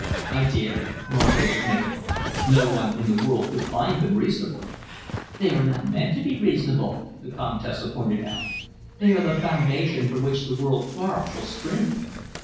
"I did," Norgate admitted. "No one in the world could find them reasonable." "They are not meant to be reasonable," the Comtesse pointed out. "They are the foundation from which the world quarrel shall spring.